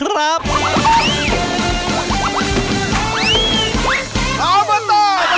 รอบต่อรอบต่อ